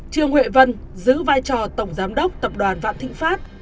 trương huệ vân giữ vai trò tổng giám đốc tập đoàn vạn thịnh pháp